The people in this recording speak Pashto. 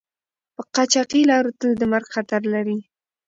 په قاچاقي لارو تل د مرګ خطر لری